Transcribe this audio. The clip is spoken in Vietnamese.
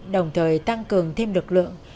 để giúp đường thêm lực lượng